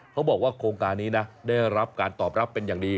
เขาบอกว่าโครงการนี้นะได้รับการตอบรับเป็นอย่างดี